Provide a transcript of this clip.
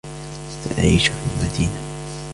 سأعيش في المدينة.